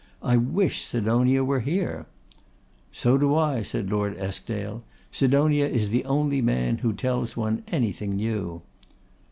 I wish Sidonia were here.' 'So do I,' said Lord Eskdale; 'Sidonia is the only man who tells one anything new.